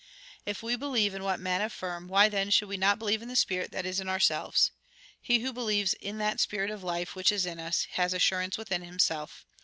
If we believe in what men affirm, why, then, should we not believe in the spirit that is in our selves ? He who believes in that spirit of life which is in us, has assurance within himself.